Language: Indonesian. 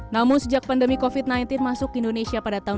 namun sejak pandemi covid sembilan belas masuk ke indonesia pada tahun dua ribu